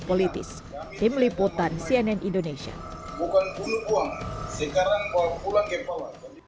politis tim liputan cnn indonesia bukan bunuh buang sekarang pulang ke bawah jadi